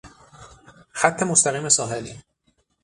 خط مستقیم ساحل